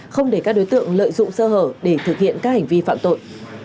không để các đối tượng lợi dụng sơ hở để thực hiện các hành vi phạm tội